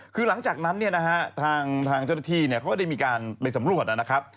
คือหลังจากนั้นเนี่ยนะฮะทางเจ้าหน้าที่เขาก็ได้มีการไปสำรวจนะครับ